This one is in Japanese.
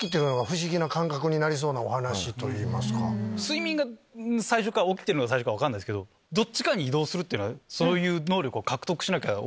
睡眠が最初か起きてるのが最初か分かんないですけどどっちかに移動するっていうのはそういう能力を。